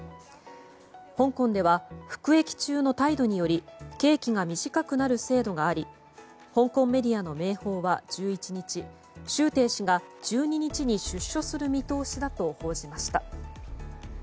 香港では服役中の態度により刑期が短くなる制度があり香港メディアの明報は１１日シュウ・テイ氏が、１２日に出所する見通しだと報じました。